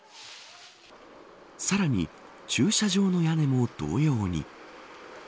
さらに駐車場の屋根も同様に。